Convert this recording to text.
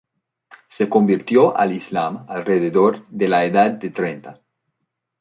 Se convirtió al Islam alrededor de la edad de treinta.